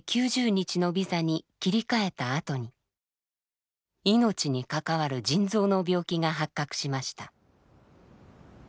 ９０日のビザに切り替えたあとに命に関わる腎臓の病気が発覚しました。